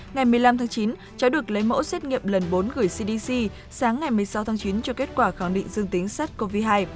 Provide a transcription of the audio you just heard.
ngày một mươi năm tháng chín cháu được lấy mẫu xét nghiệm lần bốn gửi cdc sáng ngày một mươi sáu tháng chín cho kết quả khẳng định dương tính sars cov hai